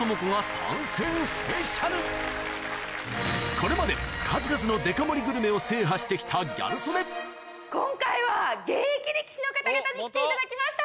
これまで数々のデカ盛りグルメを制覇して来たギャル曽根に来ていただきました